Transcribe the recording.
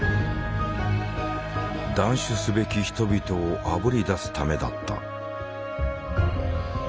断種すべき人々をあぶり出すためだった。